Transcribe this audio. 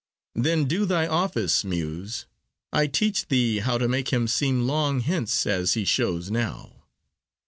Then do thy office, Muse; I teach thee how To make him seem long hence as he shows now.